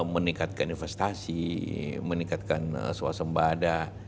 meningkatkan investasi meningkatkan suasana badan